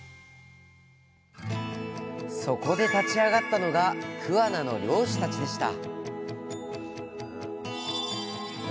そこで立ち上がったのが桑名の漁師たちでした。